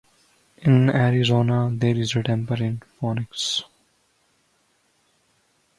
In Arizona there is a temple in Phoenix.